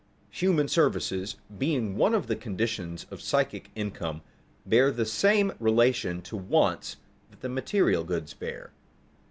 _Human services, being one of the conditions of psychic income, bear the same relation to wants that material goods bear.